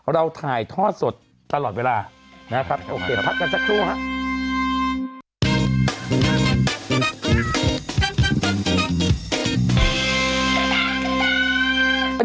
เราถ่ายทอดสดตลอดเวลานะครับโอเคพักกันสักครู่ครับ